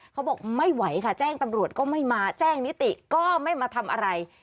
เขาบอกไม่ไหวค่ะแจ้งตำรวจก็ไม่มาแจ้งนิติก็ไม่มาทำอะไร